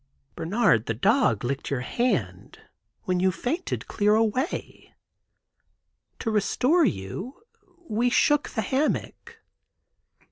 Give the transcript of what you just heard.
Bernard (the dog) licked your hand, when you fainted clear away. To restore you, we shook the hammock.